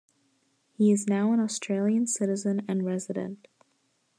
He is now an Australian citizen and resident.